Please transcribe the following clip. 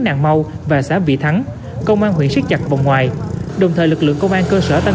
nàng mau và xã vị thắng công an huyện siết chặt vòng ngoài đồng thời lực lượng công an cơ sở tăng